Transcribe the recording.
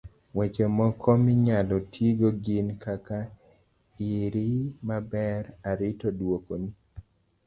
weche moko minyalo tigo gin kaka; iri maber, arito duoko ni